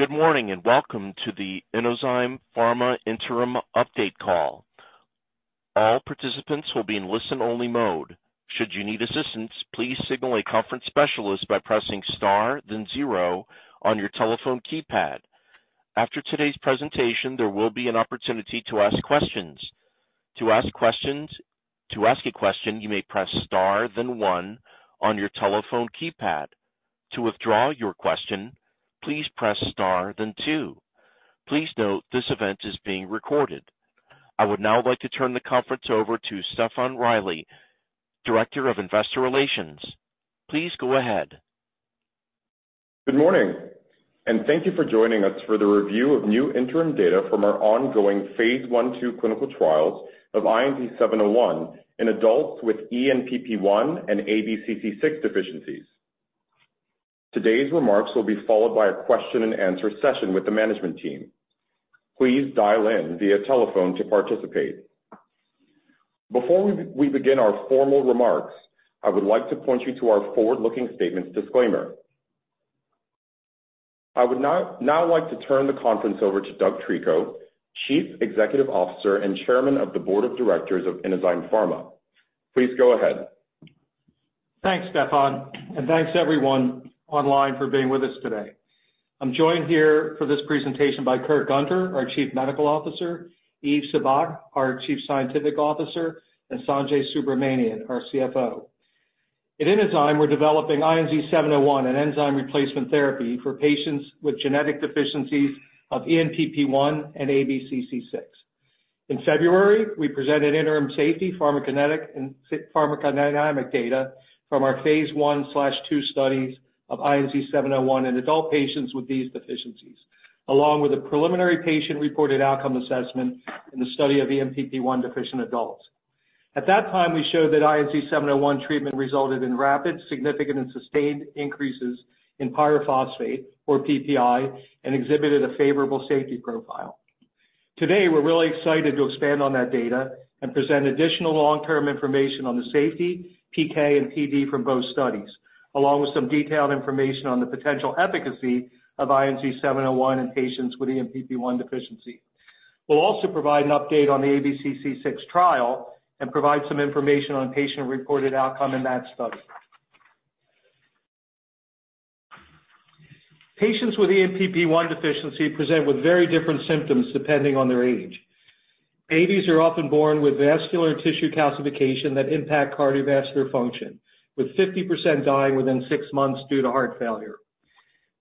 Good morning, and welcome to the Inozyme Pharma Interim Update Call. All participants will be in listen-only mode. Should you need assistance, please signal a conference specialist by pressing star then zero on your telephone keypad. After today's presentation, there will be an opportunity to ask questions. To ask questions... To ask a question, you may press star then one on your telephone keypad. To withdraw your question, please press star then two. Please note, this event is being recorded. I would now like to turn the conference over to Stefan Riley, Director of Investor Relations. Please go ahead. Good morning, and thank you for joining us for the review of new interim data from our ongoing phase I/II clinical trials of INZ-701 in adults with ENPP1 and ABCC6 deficiencies. Today's remarks will be followed by a question-and-answer session with the management team. Please dial in via telephone to participate. Before we begin our formal remarks, I would like to point you to our forward-looking statements disclaimer. I would now like to turn the conference over to Doug Treco, Chief Executive Officer and Chairman of the Board of Directors of Inozyme Pharma. Please go ahead. Thanks, Stefan, and thanks everyone online for being with us today. I'm joined here for this presentation by Kurt Gunter, our Chief Medical Officer, Yves Sabbagh, our Chief Scientific Officer, and Sanjay Subramanian, our CFO. At Inozyme, we're developing INZ-701, an enzyme replacement therapy for patients with genetic deficiencies of ENPP1 and ABCC6. In February, we presented interim safety pharmacokinetic and pharmacodynamic data from our phase I/II studies of INZ-701 in adult patients with these deficiencies, along with a preliminary patient-reported outcome assessment in the study of ENPP1 deficient adults. At that time, we showed that INZ-701 treatment resulted in rapid, significant, and sustained increases in pyrophosphate or PPi, and exhibited a favorable safety profile. Today, we're really excited to expand on that data and present additional long-term information on the safety, PK and PD from both studies, along with some detailed information on the potential efficacy of INZ-701 in patients with ENPP1 Deficiency. We'll also provide an update on the ABCC6 trial and provide some information on patient-reported outcome in that study. Patients with ENPP1 Deficiency present with very different symptoms, depending on their age. Babies are often born with vascular tissue calcification that impact cardiovascular function, with 50% dying within 6 months due to heart failure.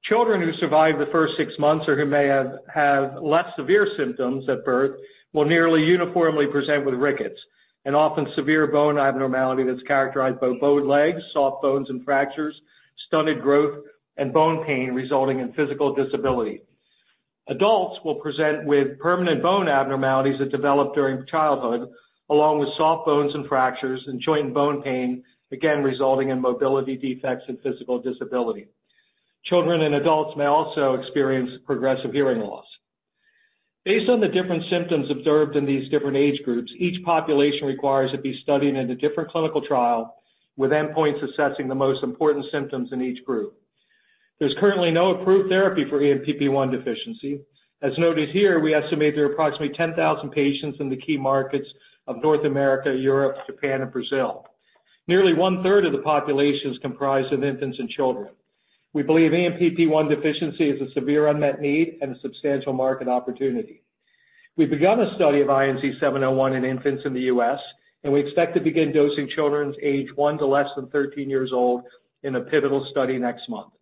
Children who survive the first 6 months or who may have, have less severe symptoms at birth, will nearly uniformly present with rickets, an often severe bone abnormality that's characterized by bowed legs, soft bones and fractures, stunted growth, and bone pain, resulting in physical disability. Adults will present with permanent bone abnormalities that develop during childhood, along with soft bones and fractures and joint bone pain, again, resulting in mobility defects and physical disability. Children and adults may also experience progressive hearing loss. Based on the different symptoms observed in these different age groups, each population requires to be studied in a different clinical trial, with endpoints assessing the most important symptoms in each group. There's currently no approved therapy for ENPP1 Deficiency. As noted here, we estimate there are approximately 10,000 patients in the key markets of North America, Europe, Japan, and Brazil. Nearly one-third of the population is comprised of infants and children. We believe ENPP1 Deficiency is a severe unmet need and a substantial market opportunity. We've begun a study of INZ-701 in infants in the U.S., and we expect to begin dosing children aged 1 to less than 13 years old in a pivotal study next month.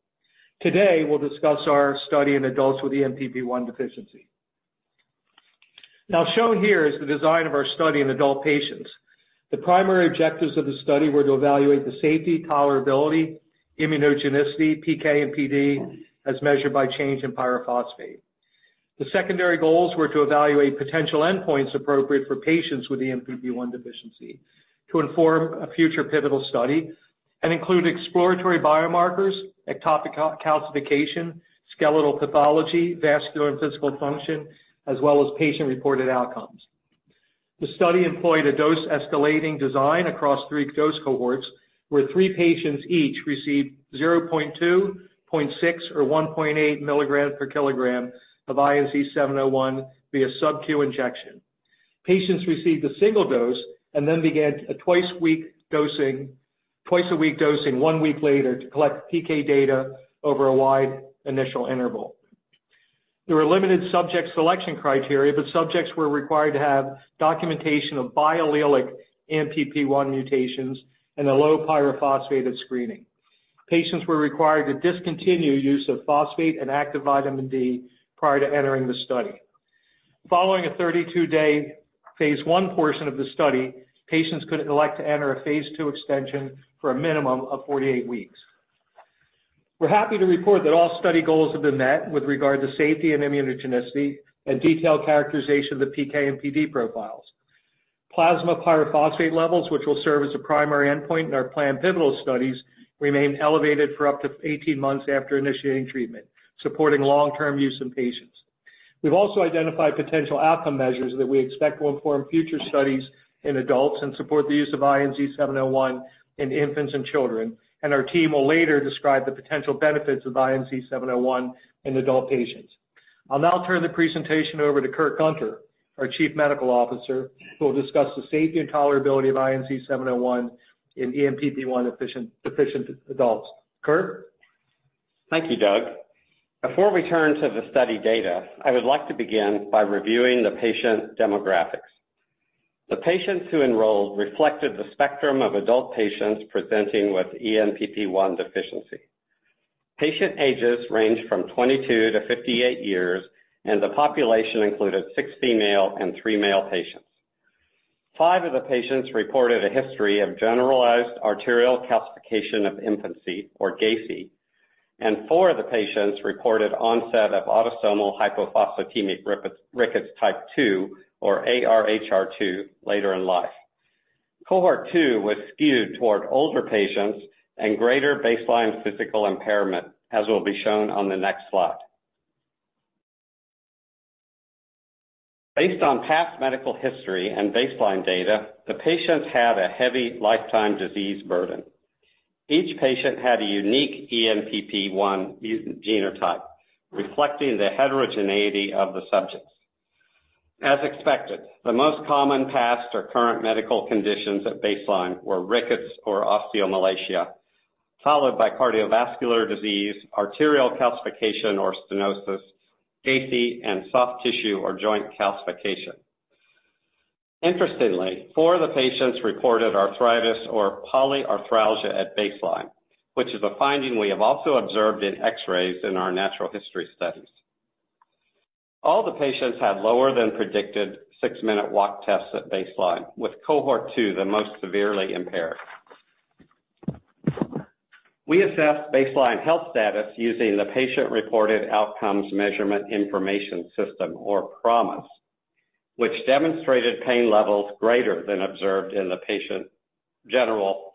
Today, we'll discuss our study in adults with ENPP1 Deficiency. Now, shown here is the design of our study in adult patients. The primary objectives of the study were to evaluate the safety, tolerability, immunogenicity, PK, and PD, as measured by change in pyrophosphate. The secondary goals were to evaluate potential endpoints appropriate for patients with ENPP1 Deficiency, to inform a future pivotal study and include exploratory biomarkers, ectopic calcification, skeletal pathology, vascular and physical function, as well as patient-reported outcomes. The study employed a dose-escalating design across three dose cohorts, where 3 patients each received 0.2, 0.6, or 1.8 milligrams per kilogram of INZ-701 via subQ injection. Patients received a single dose and then began a twice-a-week dosing 1 week later to collect PK data over a wide initial interval. There were limited subject selection criteria, but subjects were required to have documentation of biallelic ENPP1 mutations and a low pyrophosphate at screening. Patients were required to discontinue use of phosphate and active vitamin D prior to entering the study. Following a 32-day phase I portion of the study, patients could elect to enter a phase II extension for a minimum of 48 weeks. We're happy to report that all study goals have been met with regard to safety and immunogenicity and detailed characterization of the PK and PD profiles. Plasma pyrophosphate levels, which will serve as a primary endpoint in our planned pivotal studies, remained elevated for up to 18 months after initiating treatment, supporting long-term use in patients.... We've also identified potential outcome measures that we expect will inform future studies in adults and support the use of INZ-701 in infants and children, and our team will later describe the potential benefits of INZ-701 in adult patients. I'll now turn the presentation over to Kurt Gunter, our Chief Medical Officer, who will discuss the safety and tolerability of INZ-701 in ENPP1 deficient adults. Kurt? Thank you, Doug. Before we turn to the study data, I would like to begin by reviewing the patient demographics. The patients who enrolled reflected the spectrum of adult patients presenting with ENPP1 Deficiency. Patient ages ranged from 22-58 years, and the population included 6 female and 3 male patients. 5 of the patients reported a history of generalized arterial calcification of infancy, or GACI, and 4 of the patients reported onset of autosomal hypophosphatemic rickets, rickets type two, or ARHR2, later in life. Cohort 2 was skewed toward older patients and greater baseline physical impairment, as will be shown on the next slide. Based on past medical history and baseline data, the patients had a heavy lifetime disease burden. Each patient had a unique ENPP1 mutant genotype, reflecting the heterogeneity of the subjects. As expected, the most common past or current medical conditions at baseline were rickets or osteomalacia, followed by cardiovascular disease, arterial calcification or stenosis, GACI, and soft tissue or joint calcification. Interestingly, four of the patients reported arthritis or polyarthralgia at baseline, which is a finding we have also observed in X-rays in our natural history studies. All the patients had lower than predicted six-minute walk tests at baseline, with cohort two the most severely impaired. We assessed baseline health status using the Patient-Reported Outcomes Measurement Information System, or PROMIS, which demonstrated pain levels greater than observed in the patient general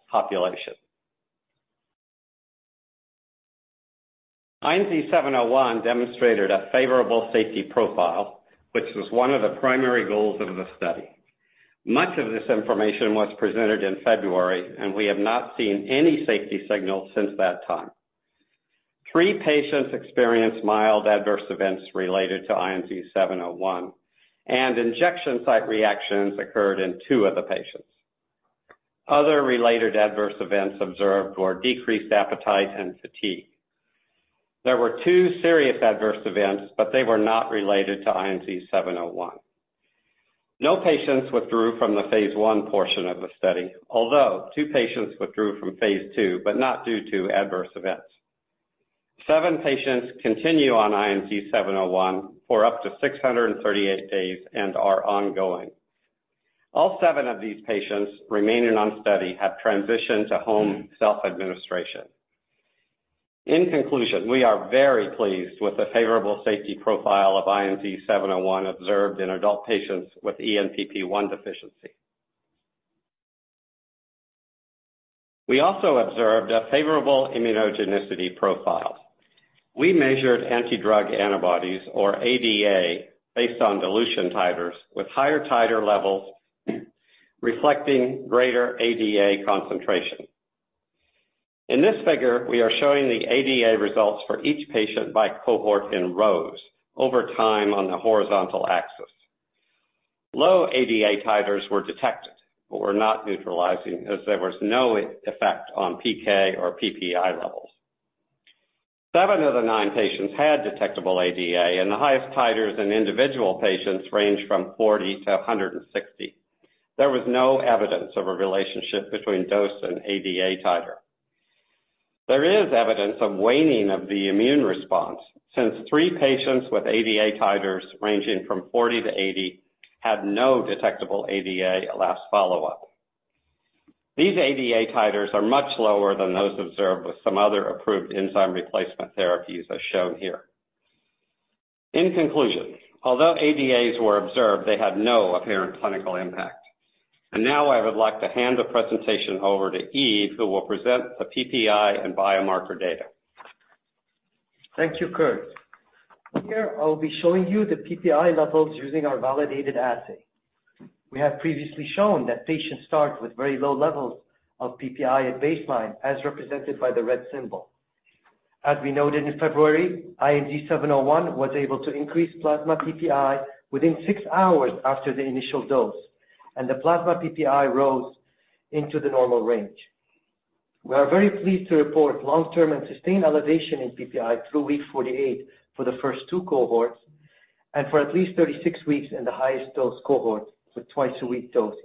population. INZ-701 demonstrated a favorable safety profile, which was one of the primary goals of the study. Much of this information was presented in February, and we have not seen any safety signals since that time. 3 patients experienced mild adverse events related to INZ-701, and injection site reactions occurred in 2 of the patients. Other related adverse events observed were decreased appetite and fatigue. There were 2 serious adverse events, but they were not related to INZ-701. No patients withdrew from the phase 1 portion of the study, although 2 patients withdrew from phase 2, but not due to adverse events. 7 patients continue on INZ-701 for up to 638 days and are ongoing. All 7 of these patients remaining on study have transitioned to home self-administration. In conclusion, we are very pleased with the favorable safety profile of INZ-701 observed in adult patients with ENPP1 Deficiency. We also observed a favorable immunogenicity profile. We measured anti-drug antibodies, or ADA, based on dilution titers, with higher titer levels reflecting greater ADA concentration. In this figure, we are showing the ADA results for each patient by cohort in rows over time on the horizontal axis. Low ADA titers were detected but were not neutralizing, as there was no effect on PK or PPi levels. 7 of the 9 patients had detectable ADA, and the highest titers in individual patients ranged from 40-160. There was no evidence of a relationship between dose and ADA titer. There is evidence of waning of the immune response, since 3 patients with ADA titers ranging from 40-80 had no detectable ADA at last follow-up. These ADA titers are much lower than those observed with some other approved enzyme replacement therapies, as shown here. In conclusion, although ADAs were observed, they had no apparent clinical impact. Now I would like to hand the presentation over to Yves, who will present the PPi and biomarker data. Thank you, Kurt. Here, I will be showing you the PPi levels using our validated assay. We have previously shown that patients start with very low levels of PPi at baseline, as represented by the red symbol. As we noted in February, INZ-701 was able to increase plasma PPi within 6 hours after the initial dose, and the plasma PPi rose into the normal range. We are very pleased to report long-term and sustained elevation in PPi through week 48 for the first two cohorts and for at least 36 weeks in the highest dose cohort with twice-a-week dosing.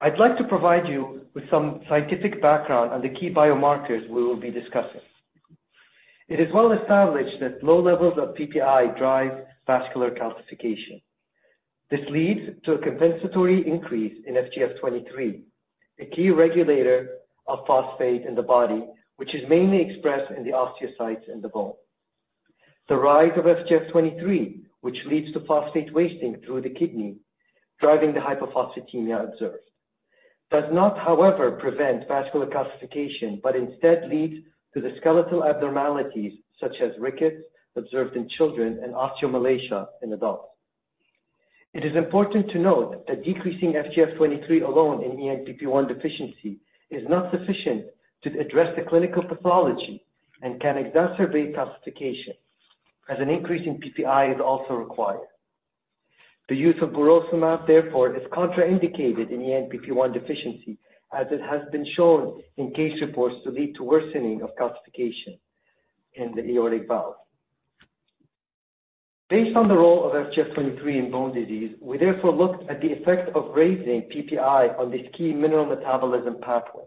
I'd like to provide you with some scientific background on the key biomarkers we will be discussing. It is well established that low levels of PPi drive vascular calcification. This leads to a compensatory increase in FGF23, a key regulator of phosphate in the body, which is mainly expressed in the osteocytes in the bone. The rise of FGF23, which leads to phosphate wasting through the kidney, driving the hypophosphatemia observed, does not, however, prevent vascular calcification, but instead leads to the skeletal abnormalities such as rickets observed in children and osteomalacia in adults. It is important to note that decreasing FGF23 alone in ENPP1 Deficiency is not sufficient to address the clinical pathology and can exacerbate calcification, as an increase in PPi is also required. The use of burosumab, therefore, is contraindicated in the ENPP1 Deficiency, as it has been shown in case reports to lead to worsening of calcification in the aortic valve. Based on the role of FGF23 in bone disease, we therefore looked at the effect of raising PPi on this key mineral metabolism pathway.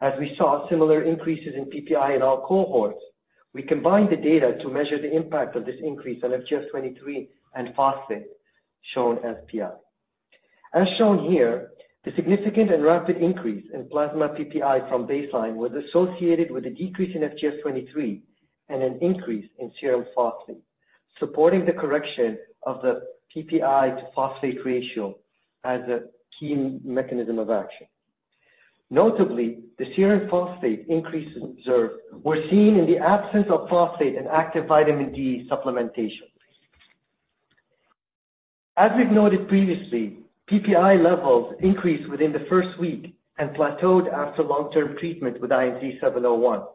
As we saw similar increases in PPi in our cohorts, we combined the data to measure the impact of this increase in FGF23 and phosphate, shown as Pi. As shown here, the significant and rapid increase in plasma PPi from baseline was associated with a decrease in FGF23 and an increase in serum phosphate, supporting the correction of the PPi to phosphate ratio as a key mechanism of action. Notably, the serum phosphate increases observed were seen in the absence of phosphate and active vitamin D supplementation. As we've noted previously, PPi levels increased within the first week and plateaued after long-term treatment with INZ-701.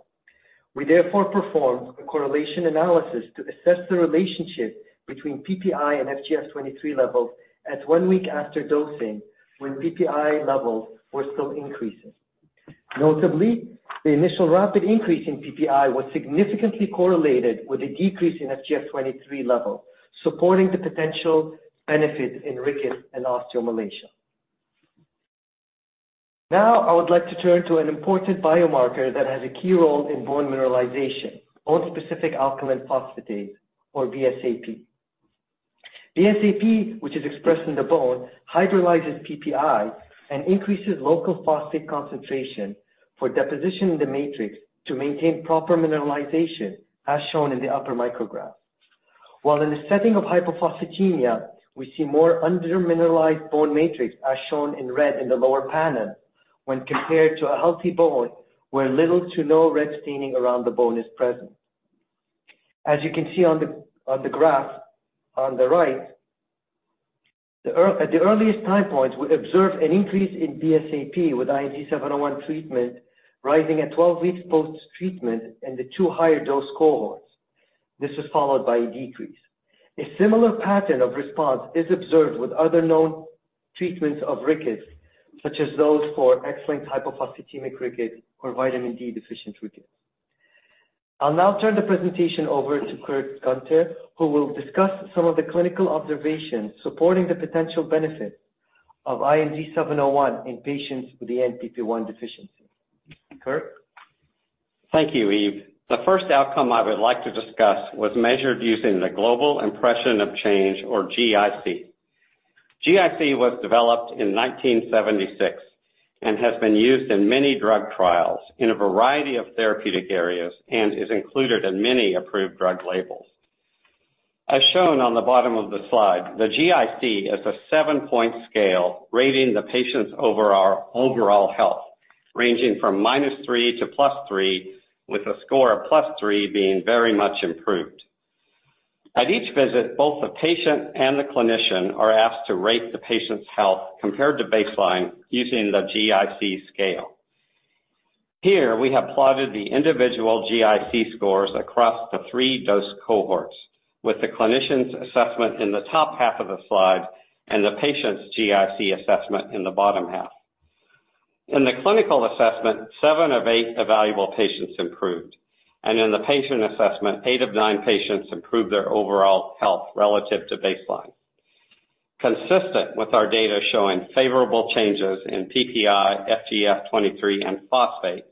We therefore performed a correlation analysis to assess the relationship between PPi and FGF 23 levels at one week after dosing, when PPi levels were still increasing. Notably, the initial rapid increase in PPi was significantly correlated with a decrease in FGF 23 level, supporting the potential benefit in rickets and osteomalacia. Now, I would like to turn to an important biomarker that has a key role in bone mineralization, bone-specific alkaline phosphatase, or BSAP. BSAP, which is expressed in the bone, hydrolyzes PPi and increases local phosphate concentration for deposition in the matrix to maintain proper mineralization, as shown in the upper micrograph. While in the setting of hypophosphatemia, we see more undermineralized bone matrix, as shown in red in the lower panel, when compared to a healthy bone, where little to no red staining around the bone is present. As you can see on the graph on the right, at the earliest time points, we observed an increase in BSAP with INZ-701 treatment, rising at 12 weeks post-treatment in the two higher dose cohorts. This was followed by a decrease. A similar pattern of response is observed with other known treatments of rickets, such as those for X-linked hypophosphatemic rickets or vitamin D-deficient rickets. I'll now turn the presentation over to Kurt Gunter, who will discuss some of the clinical observations supporting the potential benefit of INZ-701 in patients with ENPP1 Deficiency. Kurt? Thank you, Yves. The first outcome I would like to discuss was measured using the Global Impression of Change, or GIC. GIC was developed in 1976 and has been used in many drug trials in a variety of therapeutic areas and is included in many approved drug labels. As shown on the bottom of the slide, the GIC is a 7-point scale rating the patient's overall, overall health, ranging from -3 to +3, with a score of +3 being very much improved. At each visit, both the patient and the clinician are asked to rate the patient's health compared to baseline using the GIC scale. Here, we have plotted the individual GIC scores across the 3 dose cohorts, with the clinician's assessment in the top half of the slide and the patient's GIC assessment in the bottom half. In the clinical assessment, 7 of 8 evaluable patients improved, and in the patient assessment, 8 of 9 patients improved their overall health relative to baseline. Consistent with our data showing favorable changes in PPi, FGF23, and phosphate,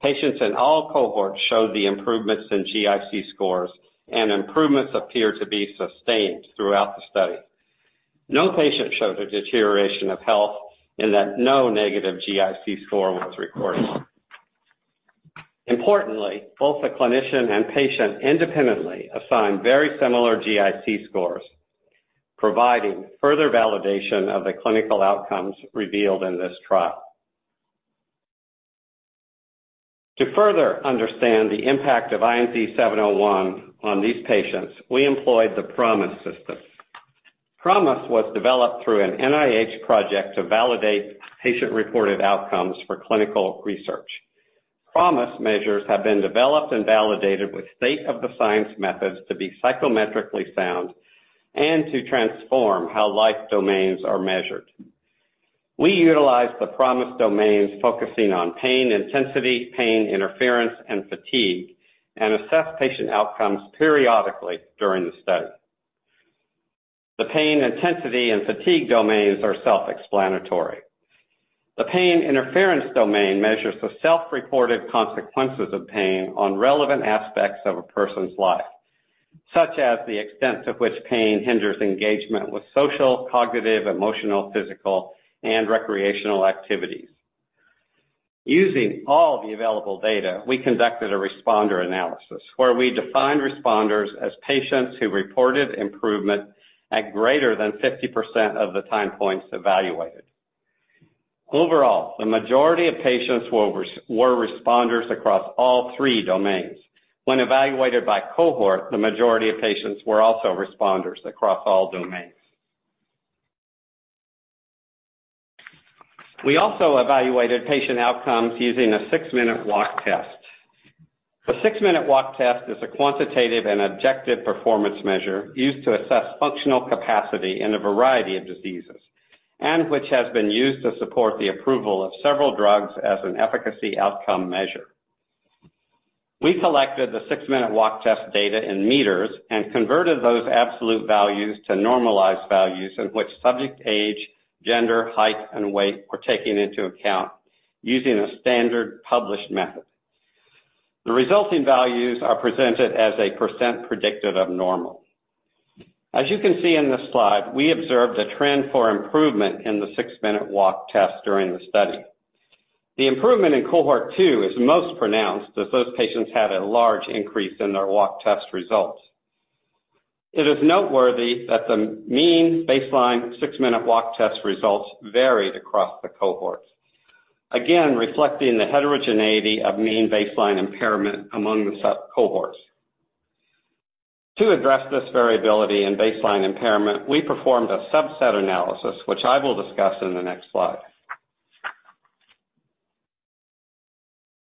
patients in all cohorts showed the improvements in GIC scores, and improvements appear to be sustained throughout the study. No patient showed a deterioration of health, and that no negative GIC score was recorded. Importantly, both the clinician and patient independently assigned very similar GIC scores, providing further validation of the clinical outcomes revealed in this trial. To further understand the impact of INZ-701 on these patients, we employed the PROMIS system. PROMIS was developed through an NIH project to validate patient-reported outcomes for clinical research. PROMIS measures have been developed and validated with state-of-the-science methods to be psychometrically sound and to transform how life domains are measured. We utilized the PROMIS domains focusing on pain intensity, pain interference, and fatigue, and assessed patient outcomes periodically during the study. The pain intensity and fatigue domains are self-explanatory. The pain interference domain measures the self-reported consequences of pain on relevant aspects of a person's life, such as the extent to which pain hinders engagement with social, cognitive, emotional, physical, and recreational activities.... Using all the available data, we conducted a responder analysis, where we defined responders as patients who reported improvement at greater than 50% of the time points evaluated. Overall, the majority of patients were responders across all three domains. When evaluated by cohort, the majority of patients were also responders across all domains. We also evaluated patient outcomes using a six-minute walk test. The six-minute walk test is a quantitative and objective performance measure used to assess functional capacity in a variety of diseases, and which has been used to support the approval of several drugs as an efficacy outcome measure. We collected the six-minute walk test data in meters and converted those absolute values to normalized values, in which subject age, gender, height, and weight were taken into account using a standard published method. The resulting values are presented as a % predicted of normal. As you can see in this slide, we observed a trend for improvement in the six-minute walk test during the study. The improvement in cohort two is most pronounced, as those patients had a large increase in their walk test results. It is noteworthy that the mean baseline six-minute walk test results varied across the cohorts, again, reflecting the heterogeneity of mean baseline impairment among the sub cohorts. To address this variability in baseline impairment, we performed a subset analysis, which I will discuss in the next slide.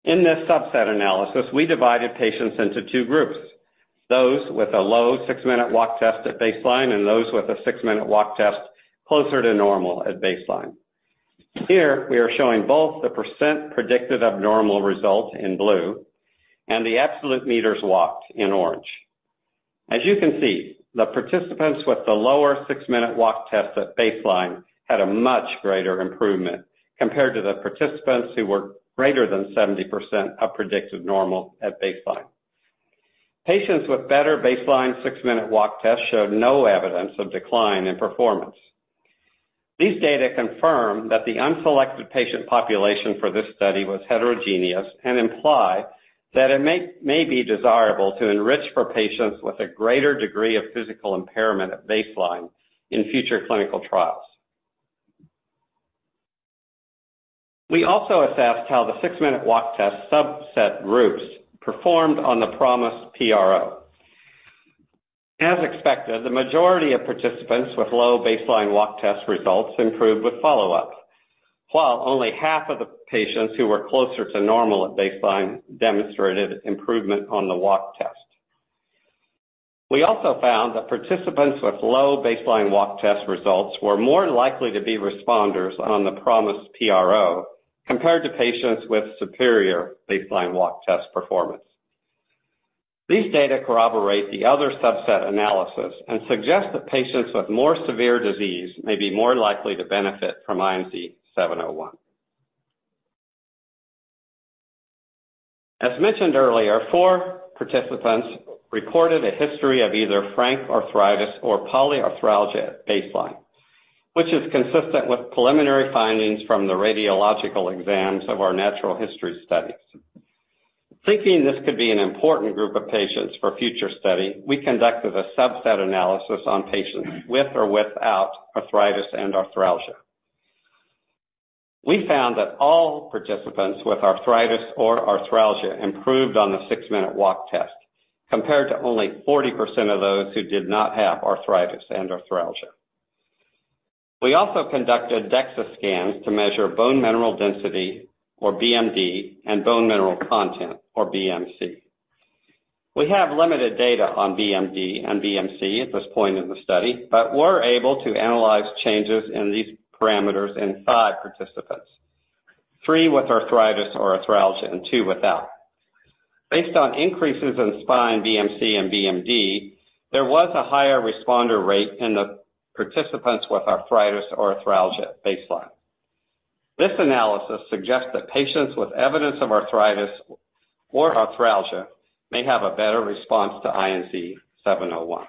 In this subset analysis, we divided patients into two groups: those with a low six-minute walk test at baseline and those with a six-minute walk test closer to normal at baseline. Here, we are showing both the % predicted abnormal result in blue and the absolute meters walked in orange. As you can see, the participants with the lower six-minute walk test at baseline had a much greater improvement compared to the participants who were greater than 70% of predicted normal at baseline. Patients with better baseline six-minute walk test showed no evidence of decline in performance. These data confirm that the unselected patient population for this study was heterogeneous and imply that it may be desirable to enrich for patients with a greater degree of physical impairment at baseline in future clinical trials. We also assessed how the six-minute walk test subset groups performed on the PROMIS PRO. As expected, the majority of participants with low baseline walk test results improved with follow-up, while only half of the patients who were closer to normal at baseline demonstrated improvement on the walk test. We also found that participants with low baseline walk test results were more likely to be responders on the PROMIS PRO compared to patients with superior baseline walk test performance. These data corroborate the other subset analysis and suggest that patients with more severe disease may be more likely to benefit from INZ-701. As mentioned earlier, 4 participants reported a history of either frank arthritis or polyarthralgia at baseline, which is consistent with preliminary findings from the radiological exams of our natural history studies. Thinking this could be an important group of patients for future study, we conducted a subset analysis on patients with or without arthritis and arthralgia. We found that all participants with arthritis or arthralgia improved on the six-minute walk test, compared to only 40% of those who did not have arthritis and arthralgia. We also conducted DEXA scans to measure bone mineral density, or BMD, and bone mineral content, or BMC. We have limited data on BMD and BMC at this point in the study, but we're able to analyze changes in these parameters in 5 participants, 3 with arthritis or arthralgia and 2 without. Based on increases in spine BMC and BMD, there was a higher responder rate in the participants with arthritis or arthralgia at baseline. This analysis suggests that patients with evidence of arthritis or arthralgia may have a better response to INZ-701.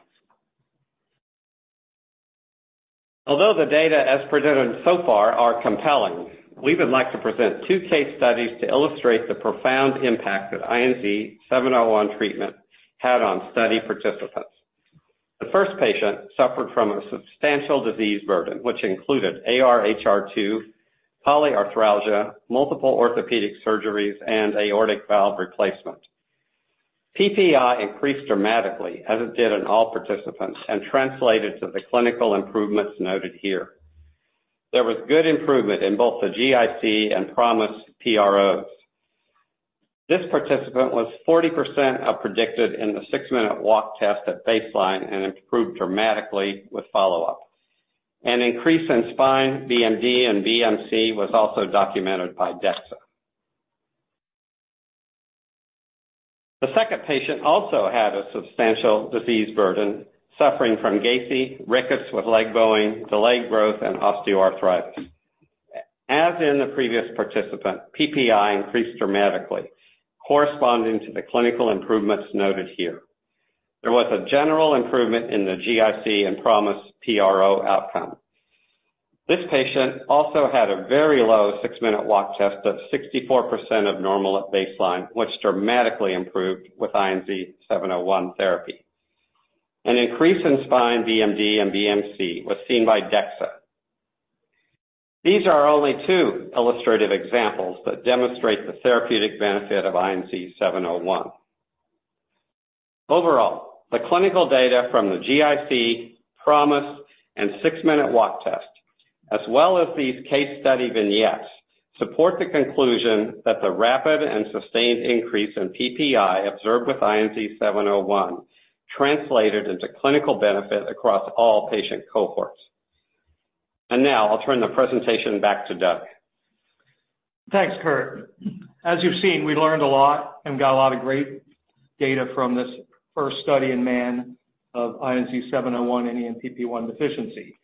Although the data as presented so far are compelling, we would like to present two case studies to illustrate the profound impact that INZ-701 treatment had on study participants. The first patient suffered from a substantial disease burden, which included ARHR2, polyarthralgia, multiple orthopedic surgeries, and aortic valve replacement. PPi increased dramatically, as it did in all participants, and translated to the clinical improvements noted here. There was good improvement in both the GIC and PROMIS PROs. This participant was 40% as predicted in the six-minute walk test at baseline and improved dramatically with follow-up. An increase in spine BMD and BMC was also documented by DEXA. The second patient also had a substantial disease burden, suffering from GACI, rickets with leg bowing, delayed growth, and osteoarthritis. As in the previous participant, PPi increased dramatically, corresponding to the clinical improvements noted here... There was a general improvement in the GIC and PROMIS PRO outcome. This patient also had a very low six-minute walk test of 64% of normal at baseline, which dramatically improved with INZ-701 therapy. An increase in spine BMD and BMC was seen by DEXA. These are only two illustrative examples that demonstrate the therapeutic benefit of INZ-701. Overall, the clinical data from the GIC, PROMIS, and six-minute walk test, as well as these case study vignettes, support the conclusion that the rapid and sustained increase in PPi observed with INZ-701 translated into clinical benefit across all patient cohorts. And now, I'll turn the presentation back to Doug. Thanks, Kurt. As you've seen, we learned a lot and got a lot of great data from this first study in man of INZ-701 in ENPP1 Deficiency.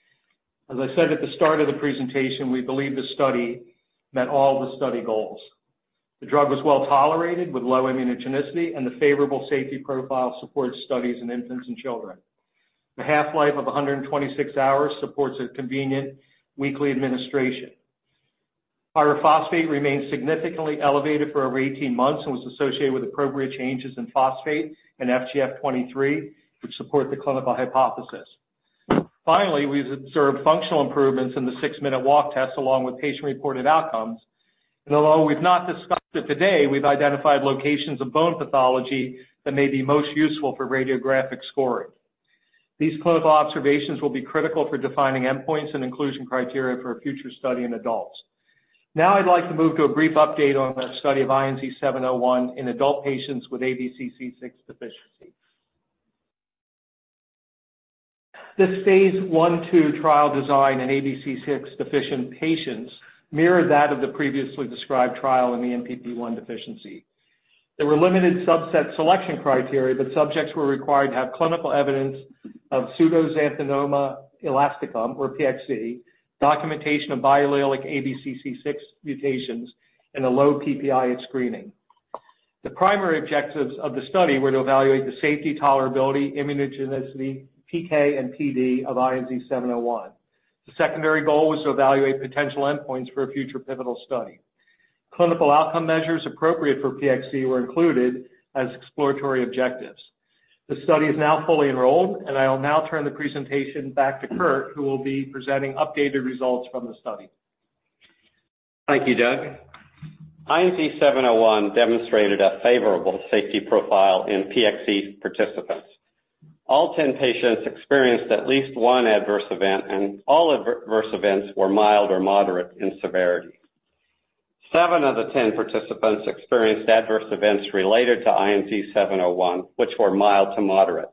As I said at the start of the presentation, we believe the study met all the study goals. The drug was well-tolerated with low immunogenicity, and the favorable safety profile supports studies in infants and children. The half-life of 126 hours supports a convenient weekly administration. Pyrophosphate remains significantly elevated for over 18 months and was associated with appropriate changes in phosphate and FGF23, which support the clinical hypothesis. Finally, we've observed functional improvements in the six-minute walk test, along with patient-reported outcomes. Although we've not discussed it today, we've identified locations of bone pathology that may be most useful for radiographic scoring. These clinical observations will be critical for defining endpoints and inclusion criteria for a future study in adults. Now, I'd like to move to a brief update on the study of INZ-701 in adult patients with ABCC6 Deficiency. This phase 1/2 trial design in ABCC6-deficient patients mirrored that of the previously described trial in the ENPP1 Deficiency. There were limited subset selection criteria, but subjects were required to have clinical evidence of pseudoxanthoma elasticum, or PXE, documentation of biallelic ABCC6 mutations, and a low PPi at screening. The primary objectives of the study were to evaluate the safety, tolerability, immunogenicity, PK, and PD of INZ-701. The secondary goal was to evaluate potential endpoints for a future pivotal study. Clinical outcome measures appropriate for PXE were included as exploratory objectives. The study is now fully enrolled, and I will now turn the presentation back to Kurt, who will be presenting updated results from the study. Thank you, Doug. INZ-701 demonstrated a favorable safety profile in PXE participants. All 10 patients experienced at least one adverse event, and all adverse events were mild or moderate in severity. Seven of the 10 participants experienced adverse events related to INZ-701, which were mild to moderate.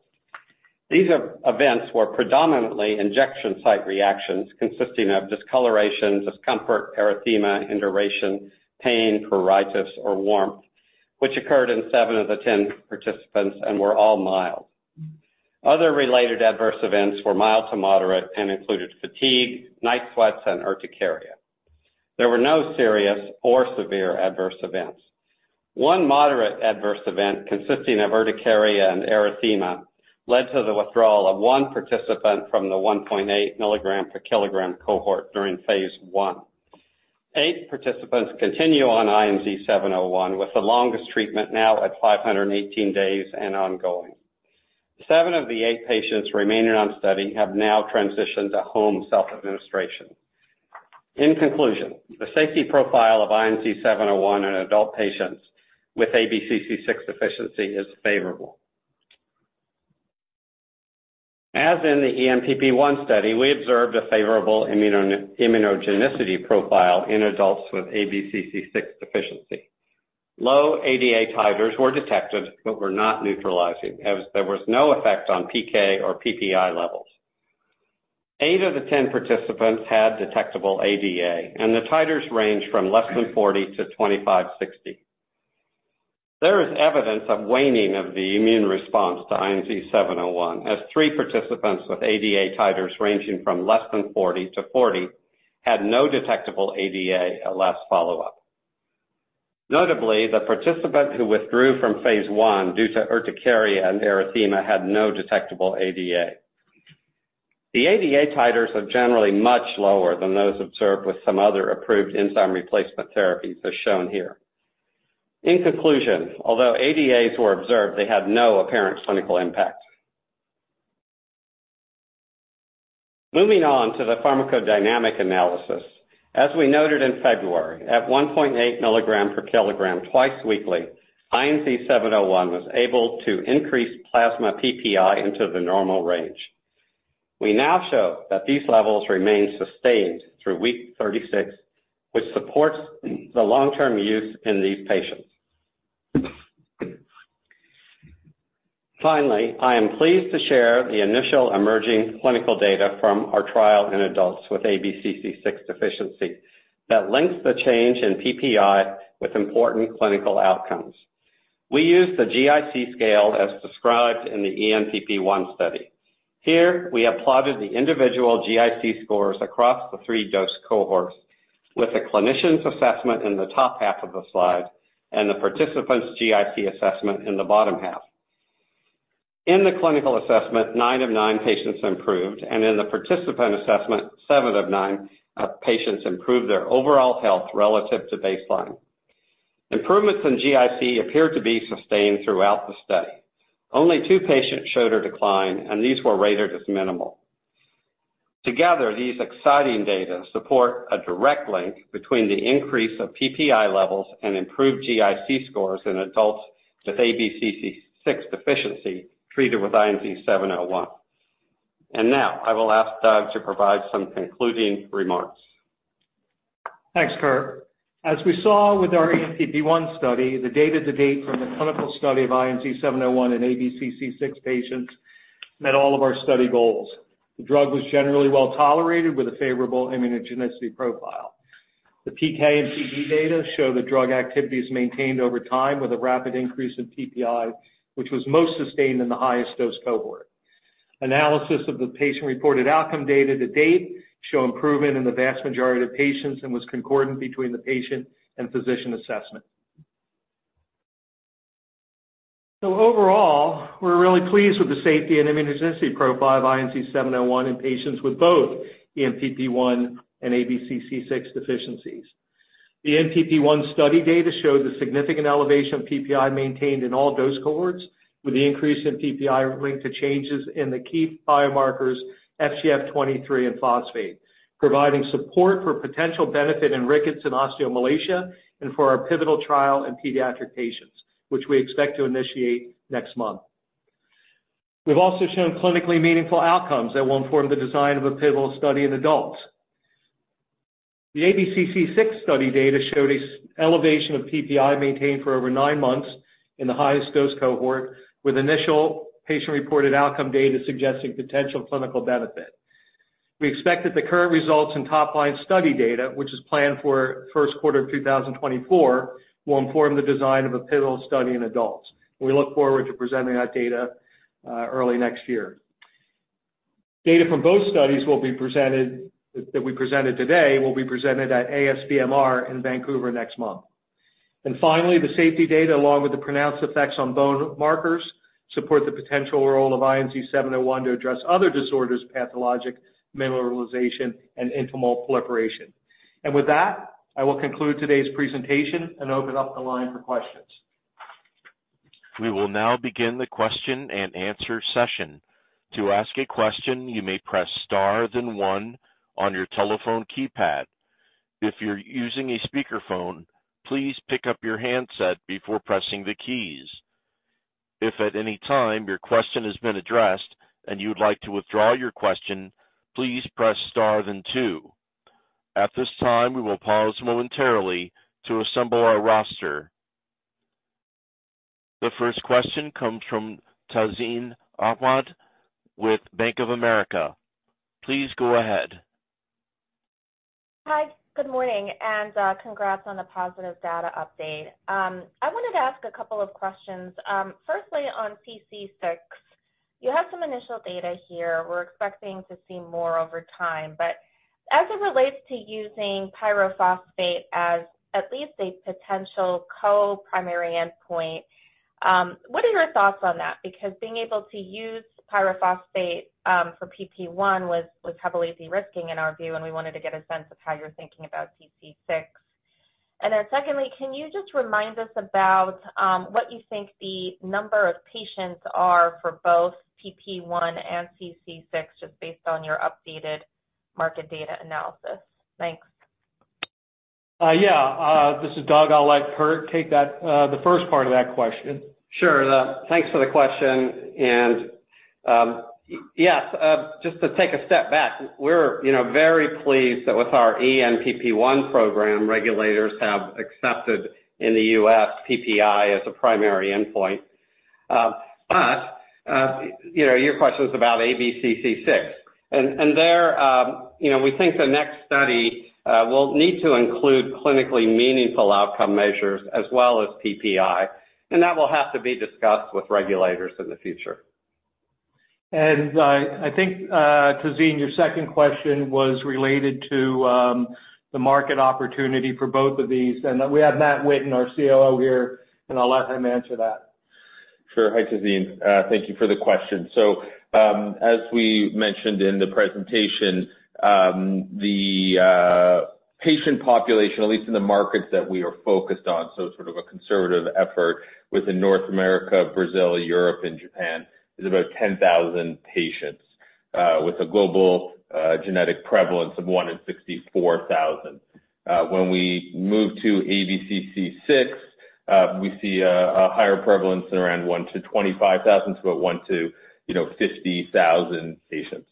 These events were predominantly injection site reactions consisting of discoloration, discomfort, erythema, induration, pain, pruritus, or warmth, which occurred in seven of the 10 participants and were all mild. Other related adverse events were mild to moderate and included fatigue, night sweats, and urticaria. There were no serious or severe adverse events. One moderate adverse event, consisting of urticaria and erythema, led to the withdrawal of one participant from the 1.8 mg/kg cohort during phase 1. Eight participants continue on INZ-701, with the longest treatment now at 518 days and ongoing. Seven of the eight patients remaining on study have now transitioned to home self-administration. In conclusion, the safety profile of INZ-701 in adult patients with ABCC6 Deficiency is favorable. As in the ENPP1 study, we observed a favorable immunogenicity profile in adults with ABCC6 Deficiency. Low ADA titers were detected but were not neutralizing, as there was no effect on PK or PPi levels. Eight of the 10 participants had detectable ADA, and the titers ranged from less than 40 to 2,560. There is evidence of waning of the immune response to INZ-701, as three participants with ADA titers ranging from less than 40 to 40 had no detectable ADA at last follow-up. Notably, the participant who withdrew from phase 1 due to urticaria and erythema had no detectable ADA. The ADA titers are generally much lower than those observed with some other approved enzyme replacement therapies, as shown here. In conclusion, although ADAs were observed, they had no apparent clinical impact. Moving on to the pharmacodynamic analysis. As we noted in February, at 1.8 mg/kg twice weekly, INZ-701 was able to increase plasma PPi into the normal range. We now show that these levels remain sustained through week 36, which supports the long-term use in these patients. Finally, I am pleased to share the initial emerging clinical data from our trial in adults with ABCC6 Deficiency that links the change in PPi with important clinical outcomes. We used the GIC scale as described in the ENPP1 study. Here, we have plotted the individual GIC scores across the 3 dose cohorts, with the clinician's assessment in the top half of the slide and the participant's GIC assessment in the bottom half. In the clinical assessment, 9 of 9 patients improved, and in the participant assessment, 7 of 9 patients improved their overall health relative to baseline. Improvements in GIC appeared to be sustained throughout the study. Only 2 patients showed a decline, and these were rated as minimal. Together, these exciting data support a direct link between the increase of PPi levels and improved GIC scores in adults with ABCC6 Deficiency treated with INZ-701. Now I will ask Doug to provide some concluding remarks. Thanks, Kurt. As we saw with our ENPP1 study, the data to date from the clinical study of INZ-701 in ABCC6 patients met all of our study goals. The drug was generally well tolerated, with a favorable immunogenicity profile. The PK and PD data show the drug activity is maintained over time with a rapid increase in PPi, which was most sustained in the highest dose cohort. Analysis of the patient-reported outcome data to date show improvement in the vast majority of patients and was concordant between the patient and physician assessment. So overall, we're really pleased with the safety and immunogenicity profile of INZ-701 in patients with both ENPP1 and ABCC6 deficiencies. The ENPP1 study data showed a significant elevation of PPi maintained in all dose cohorts, with the increase in PPi linked to changes in the key biomarkers FGF23 and phosphate, providing support for potential benefit in rickets and osteomalacia and for our pivotal trial in pediatric patients, which we expect to initiate next month. We've also shown clinically meaningful outcomes that will inform the design of a pivotal study in adults. The ABCC6 study data showed a elevation of PPi maintained for over nine months in the highest dose cohort, with initial patient-reported outcome data suggesting potential clinical benefit. We expect that the current results in top-line study data, which is planned for first quarter of 2024, will inform the design of a pivotal study in adults. We look forward to presenting that data early next year. Data from both studies, that we presented today, will be presented at ASBMR in Vancouver next month. And finally, the safety data, along with the pronounced effects on bone markers, support the potential role of INZ-701 to address other disorders of pathologic mineralization and neointimal proliferation. And with that, I will conclude today's presentation and open up the line for questions. We will now begin the question-and-answer session. To ask a question, you may press star then one on your telephone keypad. If you're using a speakerphone, please pick up your handset before pressing the keys. If at any time your question has been addressed and you would like to withdraw your question, please press star then two. At this time, we will pause momentarily to assemble our roster. The first question comes from Tazeen Ahmad with Bank of America. Please go ahead. Hi, good morning, and congrats on the positive data update. I wanted to ask a couple of questions. Firstly, on CC6, you have some initial data here. We're expecting to see more over time, but as it relates to using pyrophosphate as at least a potential co-primary endpoint, what are your thoughts on that? Because being able to use pyrophosphate for PP1 was heavily de-risking in our view, and we wanted to get a sense of how you're thinking about CC6. And then secondly, can you just remind us about what you think the number of patients are for both PP1 and CC6, just based on your updated market data analysis? Thanks. Yeah, this is Doug. I'll let Kurt take that, the first part of that question. Sure. Thanks for the question. Yes, just to take a step back, we're, you know, very pleased that with our ENPP1 program, regulators have accepted in the US PPi as a primary endpoint. But, you know, your question was about ABCC6. And there, you know, we think the next study will need to include clinically meaningful outcome measures as well as PPi, and that will have to be discussed with regulators in the future. I think, Tahseen, your second question was related to the market opportunity for both of these. We have Matt Winton, our COO, here, and I'll let him answer that. Sure. Hi, Tahseen. Thank you for the question. So, as we mentioned in the presentation, the patient population, at least in the markets that we are focused on, so sort of a conservative effort within North America, Brazil, Europe and Japan, is about 10,000 patients, with a global genetic prevalence of 1 in 64,000. When we move to ABCC6, we see a higher prevalence in around 1-25,000, so about 1-50,000 patients.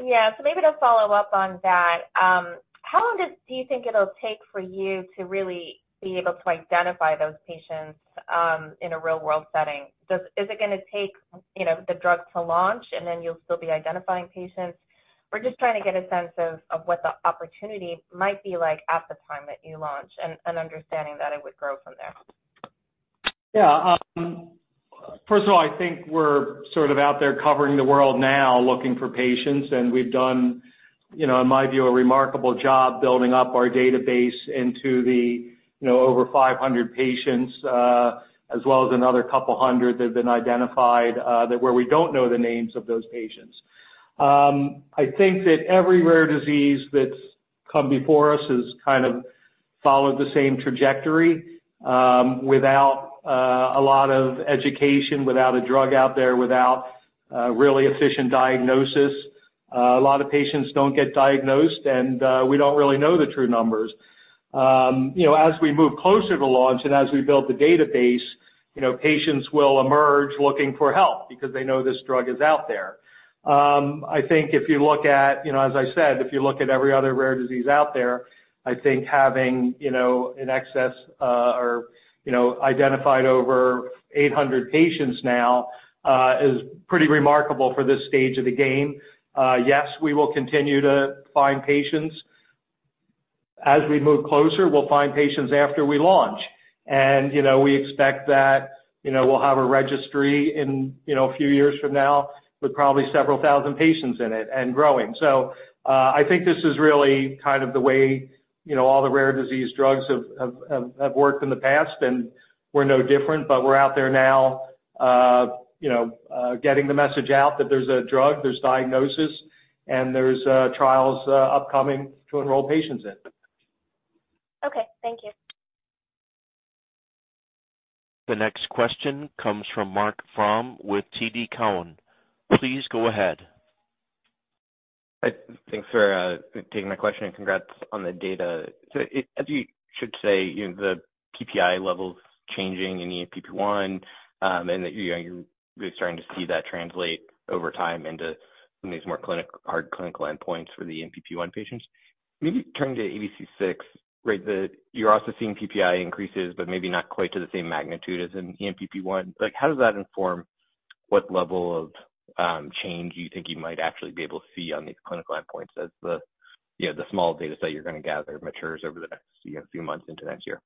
Yeah. So maybe to follow up on that, how long do you think it'll take for you to really be able to identify those patients, in a real-world setting? Is it gonna take, you know, the drug to launch, and then you'll still be identifying patients? We're just trying to get a sense of what the opportunity might be like at the time that you launch and understanding that it would grow from there.... Yeah, first of all, I think we're sort of out there covering the world now, looking for patients, and we've done, you know, in my view, a remarkable job building up our database into the, you know, over 500 patients, as well as another couple hundred that have been identified, that where we don't know the names of those patients. I think that every rare disease that's come before us has kind of followed the same trajectory, without a lot of education, without a drug out there, without really efficient diagnosis. A lot of patients don't get diagnosed, and we don't really know the true numbers. You know, as we move closer to launch and as we build the database, you know, patients will emerge looking for help because they know this drug is out there. I think if you look at, you know, as I said, if you look at every other rare disease out there, I think having, you know, in excess, or, you know, identified over 800 patients now, is pretty remarkable for this stage of the game. Yes, we will continue to find patients. As we move closer, we'll find patients after we launch. And, you know, we expect that, you know, we'll have a registry in, you know, a few years from now with probably several thousand patients in it and growing. So, I think this is really kind of the way, you know, all the rare disease drugs have worked in the past, and we're no different. But we're out there now, you know, getting the message out that there's a drug, there's diagnosis, and there's trials upcoming to enroll patients in. Okay. Thank you. The next question comes from Marc Frahm with TD Cowen. Please go ahead. Thanks for taking my question, and congrats on the data. So as you said, you know, the PPi levels changing in ENPP1, and that, you know, you're starting to see that translate over time into some of these more clinically hard clinical endpoints for the ENPP1 patients. Maybe turning to ABCC6, right? You're also seeing PPi increases, but maybe not quite to the same magnitude as in ENPP1. Like, how does that inform what level of change you think you might actually be able to see on these clinical endpoints as the, you know, the small data set you're going to gather matures over the next, you know, few months into next year?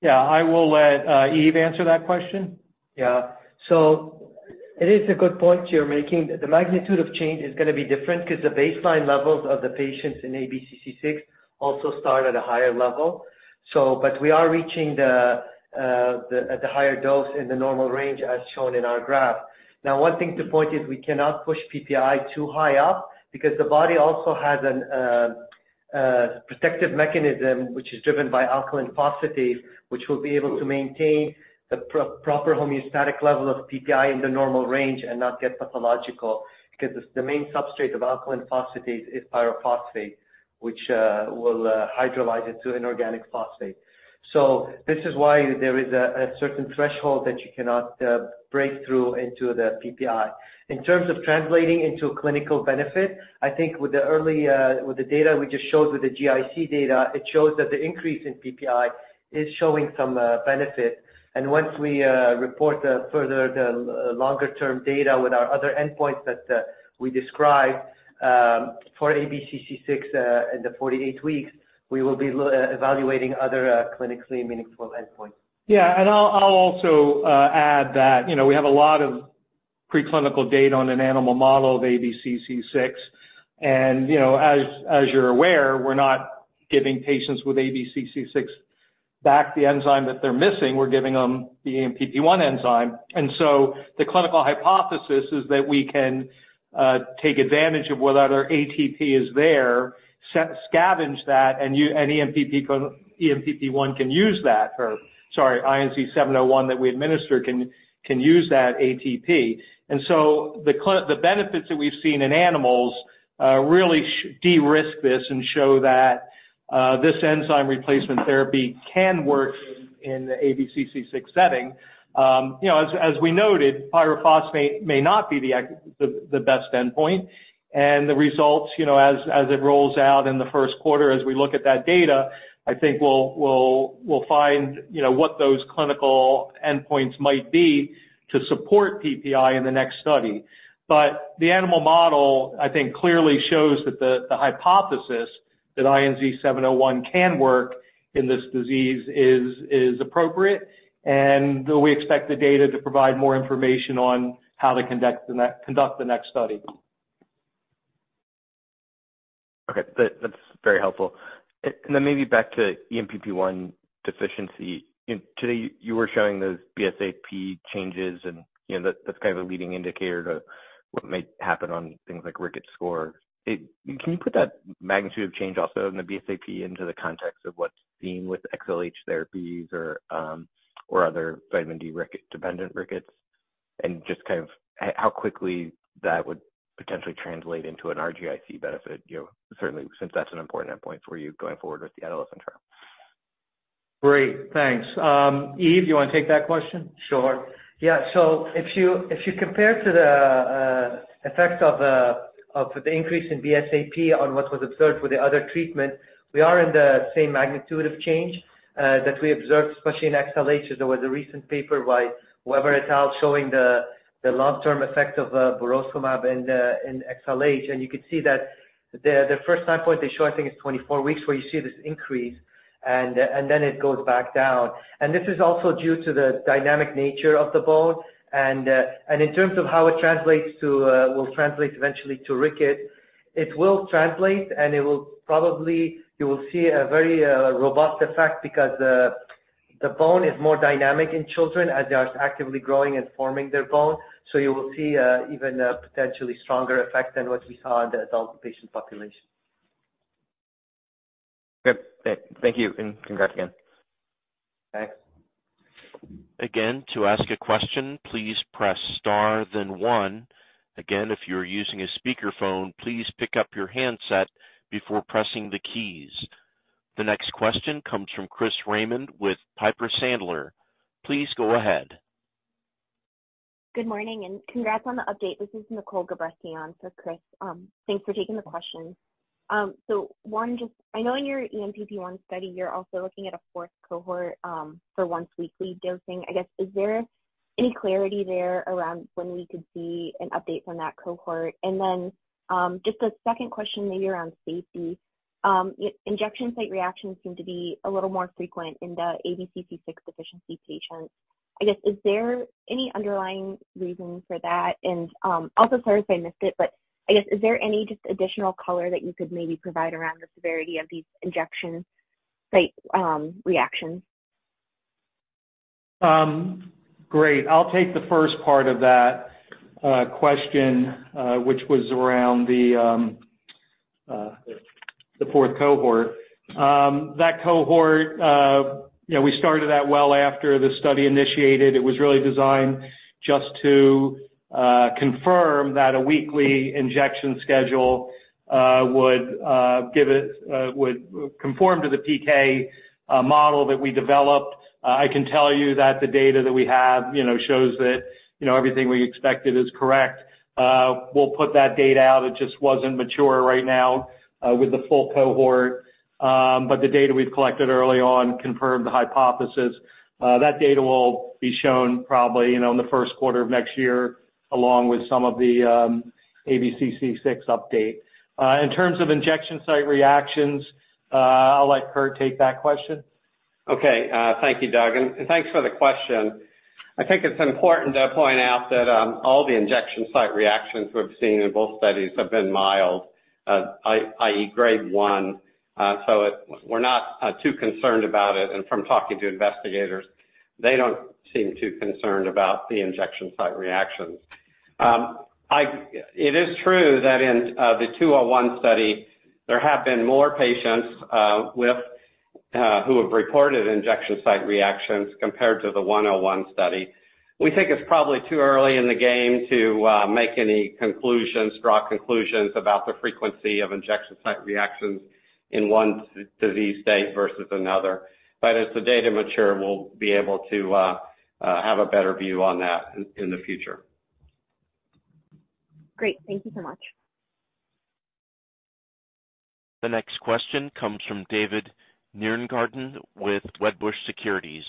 Yeah, I will let Yves answer that question. Yeah. So it is a good point you're making. The magnitude of change is going to be different because the baseline levels of the patients in ABCC6 also start at a higher level. So, but we are reaching the at the higher dose in the normal range, as shown in our graph. Now, one thing to point is we cannot push PPi too high up because the body also has a protective mechanism, which is driven by alkaline phosphatase, which will be able to maintain the proper homeostatic level of PPi in the normal range and not get pathological, because the main substrate of alkaline phosphatase is pyrophosphate, which will hydrolyze it to inorganic phosphate. So this is why there is a certain threshold that you cannot break through into the PPi. In terms of translating into clinical benefit, I think with the early, with the data we just showed, with the GIC data, it shows that the increase in PPi is showing some benefit. And once we report the further longer-term data with our other endpoints that we describe for ABCC6 in the 48 weeks, we will be evaluating other clinically meaningful endpoints. Yeah, and I'll also add that, you know, we have a lot of preclinical data on an animal model of ABCC6. And, you know, as you're aware, we're not giving patients with ABCC6 back the enzyme that they're missing. We're giving them the ENPP-1 enzyme. And so the clinical hypothesis is that we can take advantage of what other ATP is there, scavenge that, and ENPP-1 can use that, or sorry, INZ-701 that we administer can use that ATP. And so the benefits that we've seen in animals really de-risk this and show that this enzyme replacement therapy can work in the ABCC6 setting. You know, as we noted, pyrophosphate may not be the best endpoint. The results, you know, as it rolls out in the first quarter, as we look at that data, I think we'll find, you know, what those clinical endpoints might be to support PPi in the next study. But the animal model, I think, clearly shows that the hypothesis that INZ-701 can work in this disease is appropriate, and we expect the data to provide more information on how to conduct the next study. Okay. That, that's very helpful. And then maybe back to ENPP1 deficiency. Today, you were showing those BSAP changes, and, you know, that's kind of a leading indicator to what might happen on things like rickets score. Can you put that magnitude of change also in the BSAP into the context of what's seen with XLH therapies or, or other vitamin D rickets-dependent rickets? And just kind of how, how quickly that would potentially translate into a GIC benefit, you know, certainly since that's an important endpoint for you going forward with the adolescent trial. Great. Thanks. Yves, you want to take that question? Sure. Yeah. So if you compare to the effect of the increase in BSAP on what was observed with the other treatment, we are in the same magnitude of change that we observed, especially in XLH. There was a recent paper by Weber et al. showing the long-term effect of burosumab in XLH. And you can see that the first time point they show, I think, is 24 weeks, where you see this increase, and then it goes back down. And this is also due to the dynamic nature of the bone. In terms of how it translates to, will translate eventually to rickets, it will translate, and it will probably, you will see a very robust effect because the bone is more dynamic in children as they are actively growing and forming their bone. So you will see even a potentially stronger effect than what we saw in the adult patient population. Good. Thank you, and congrats again. Thanks. Again, to ask a question, please press star then one. Again, if you're using a speakerphone, please pick up your handset before pressing the keys. The next question comes from Chris Raymond with Piper Sandler. Please go ahead. Good morning, and congrats on the update. This is Nicole Gabreski on for Chris. Thanks for taking the question. So one, just I know in your ENPP1 study, you're also looking at a fourth cohort, for once-weekly dosing. I guess, is there any clarity there around when we could see an update from that cohort? And then, just a second question, maybe around safety. Injection site reactions seem to be a little more frequent in the ABCC6 deficiency patients. I guess, is there any underlying reason for that? And, also sorry if I missed it, but I guess, is there any just additional color that you could maybe provide around the severity of these injection site, reactions? Great. I'll take the first part of that question, which was around the fourth cohort. That cohort, you know, we started that well after the study initiated. It was really designed just to confirm that a weekly injection schedule would conform to the PK model that we developed. I can tell you that the data that we have, you know, shows that, you know, everything we expected is correct. We'll put that data out. It just wasn't mature right now with the full cohort. But the data we've collected early on confirmed the hypothesis. That data will be shown probably, you know, in the first quarter of next year, along with some of the ABCC6 update. In terms of injection site reactions, I'll let Kurt take that question. Okay, thank you, Doug, and thanks for the question. I think it's important to point out that, all the injection site reactions we've seen in both studies have been mild, i.e., grade 1. So we're not too concerned about it. And from talking to investigators, they don't seem too concerned about the injection site reactions. It is true that in the 201 study, there have been more patients who have reported injection site reactions compared to the 101 study. We think it's probably too early in the game to make any conclusions, draw conclusions about the frequency of injection site reactions in one disease state versus another. But as the data mature, we'll be able to have a better view on that in the future. Great. Thank you so much. The next question comes from David Nierengarten with Wedbush Securities.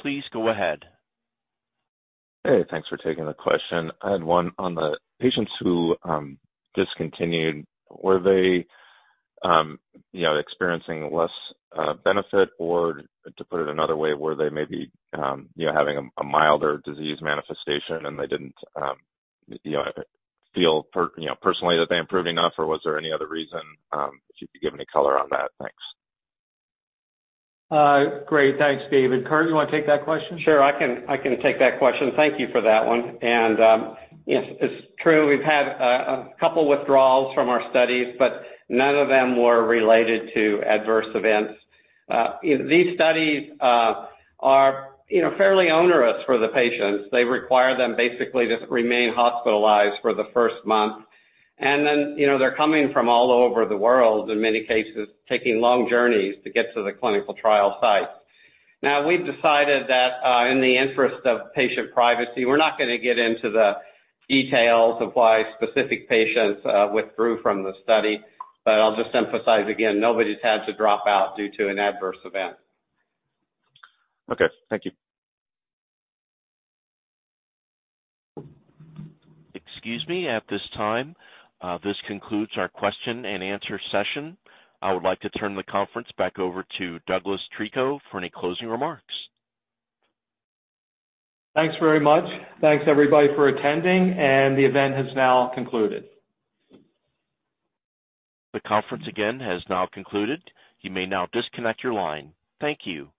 Please go ahead. Hey, thanks for taking the question. I had one on the patients who discontinued. Were they, you know, experiencing less benefit? Or to put it another way, were they maybe, you know, having a milder disease manifestation and they didn't, you know, feel personally that they improved enough, or was there any other reason? If you could give any color on that. Thanks. Great. Thanks, David. Kurt, you want to take that question? Sure, I can, I can take that question. Thank you for that one. And, yes, it's true. We've had a couple withdrawals from our studies, but none of them were related to adverse events. These studies are, you know, fairly onerous for the patients. They require them basically to remain hospitalized for the first month. And then, you know, they're coming from all over the world, in many cases, taking long journeys to get to the clinical trial site. Now, we've decided that, in the interest of patient privacy, we're not going to get into the details of why specific patients withdrew from the study. But I'll just emphasize again, nobody's had to drop out due to an adverse event. Okay. Thank you. Excuse me, at this time, this concludes our question and answer session. I would like to turn the conference back over to Douglas Treco for any closing remarks. Thanks very much. Thanks, everybody, for attending, and the event has now concluded. The conference again has now concluded. You may now disconnect your line. Thank you.